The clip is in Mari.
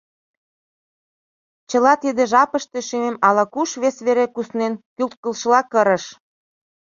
Чыла тиде жапыште шӱмем ала-куш вес вере куснен кӱлткышыла кырыш.